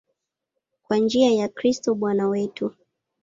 Kwa njia ya Kristo Bwana wetu.